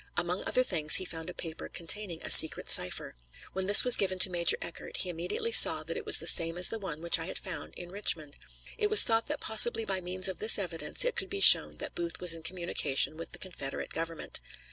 Among other things, he had found a paper containing a secret cipher. When this was given to Major Eckert, he immediately saw that it was the same as the one which I had found in Richmond. It was thought that possibly by means of this evidence it could be shown that Booth was in communication with the Confederate Government.